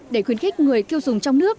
để khuyến khích người tiêu dùng trong nước